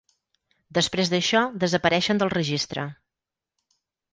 Després d'això desapareixen del registre.